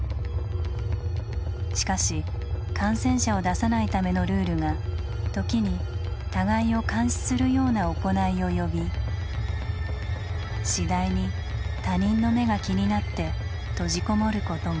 しかし感染者を出さないためのルールが時に互いを「監視」するような行いを呼び次第に他人の目が気になって閉じこもることも。